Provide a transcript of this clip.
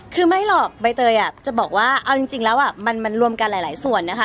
คือไม่หรอกใบเตยจะบอกว่าเอาจริงแล้วมันรวมกันหลายส่วนนะคะ